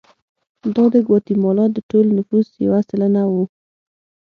دا د ګواتیمالا د ټول نفوس یو سلنه وو.